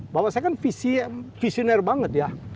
bahwa saya kan visioner banget ya